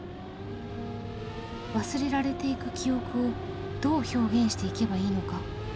忘れられていく記憶をどう表現していけばいいのか？